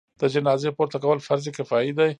د جنازې پورته کول فرض کفایي دی.